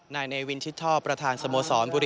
นายเนวินชิดชอบประธานสโมสรบุรีรัมย์อยู่ในเต็ดนะครับ